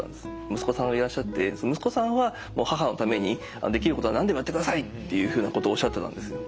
息子さんがいらっしゃって息子さんは「母のためにできることは何でもやってください！」っていうふうなことをおっしゃってたんですよ。